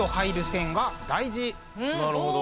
なるほど。